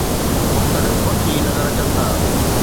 مختلف پکي نظر اچن ٿا